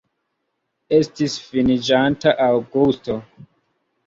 Estis finiĝanta aŭgusto.